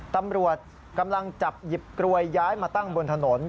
ตำรวจกำลังจับหยิบกลวยย้ายมาตั้งบนถนน